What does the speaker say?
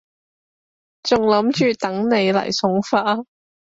仲諗住等你嚟送花